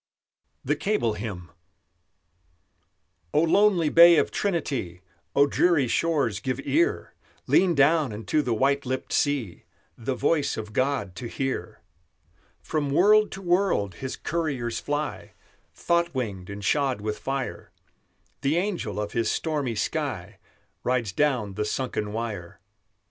THE CABLE HYMN O lonely bay of Trinity, O dreary shores, give ear! Lean down unto the white lipped sea The voice of God to hear! From world to world His couriers fly, Thought winged and shod with fire; The angel of His stormy sky Rides down the sunken wire.